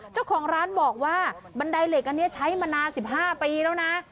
เจ้าของร้านบอกว่าบันไดเหล็กอันนี้ใช้มานาน๑๕ปีแล้วนะ